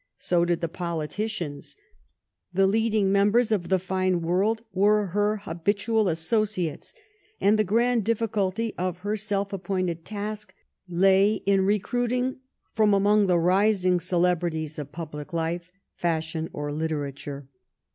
So did the politicians; the leading members of the fine world were her habitual associates, and the grand dif ficulty of her self appointed task lay in recruiting from among the rising celebrities of public life, fashion or literature.